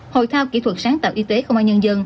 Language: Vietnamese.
hội thao kỹ thuật sáng tạo y tế không ai nhân dân